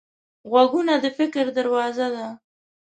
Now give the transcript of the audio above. غوږونه د فکر دروازه ده